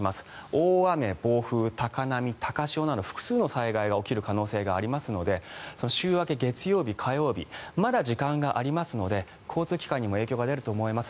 大雨、暴風、高波、高潮など複数の災害が起きる可能性がありますので週明け月曜日、火曜日まだ時間がありますので交通機関にも影響が出ると思います。